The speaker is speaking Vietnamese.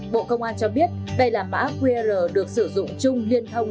bộ công an cho biết đây là mã qr được sử dụng chung liên thông